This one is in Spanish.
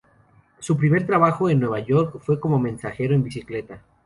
Su primer trabajo en Nueva York fue como mensajero en bicicleta.